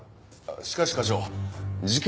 しかし課長事件